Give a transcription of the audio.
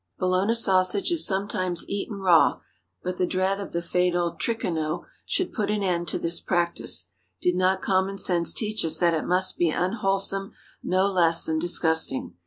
Bologna sausage is sometimes eaten raw, but the dread of the fatal trichinæ should put at end to this practice, did not common sense teach us that it must be unwholesome, no less than disgusting.